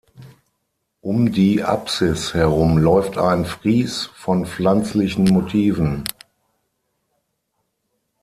Um die Apsis herum läuft ein Fries von pflanzlichen Motiven.